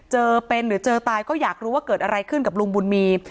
เจอเป็นหรือเจอตายก็อยากรู้ว่าเกิดอะไรขึ้นกับลุงบุญมี